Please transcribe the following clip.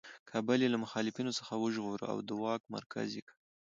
کابل یې له مخالفینو څخه وژغوره او د واک مرکز یې کړ.